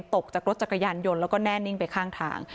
ตกจากรถจักรยานยนต์แล้วก็แน่นิ่งไปข้างทาง